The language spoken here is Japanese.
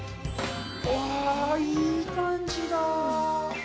ああ、いい感じだ。